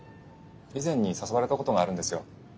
以前に誘われたことがあるんですよ。